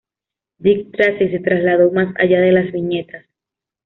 Dick Tracy se trasladó más allá de las viñetas.